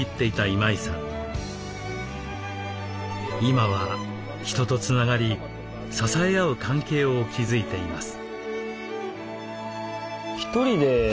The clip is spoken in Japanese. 今は人とつながり支え合う関係を築いています。